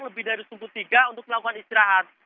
lebih dari sempitiga untuk melakukan istirahat